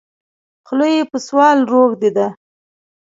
خوله یې په سوال روږده ده.